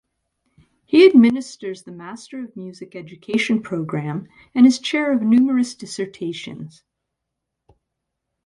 He administers the master of music education program and is chair of numerous dissertations.